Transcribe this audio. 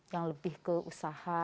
yang lebih ke usaha